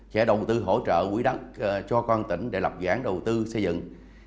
sẽ đồng tư hỗ trợ quỹ đất cho công an tỉnh để lập giảng đầu tư xây dựng